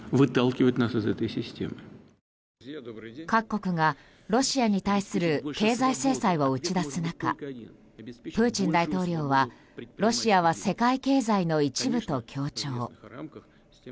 各国がロシアに対する経済制裁を打ち出す中プーチン大統領はロシアは世界経済の一部と強調。